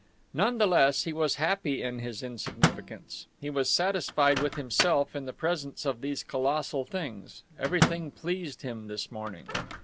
None the less he was happy in his insignificance, he was satisfied with himself in the presence of these colossal things; everything pleased him this morning.